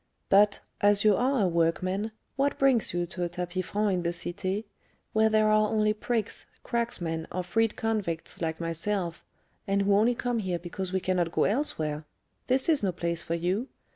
But, as you are a workman, what brings you to a tapis franc in the Cité, where there are only prigs, cracksmen or freed convicts like myself, and who only come here because we cannot go elsewhere? This is no place for you.